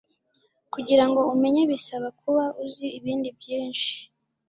kugirango umenye bisaba kuba uzi ibindi byinshi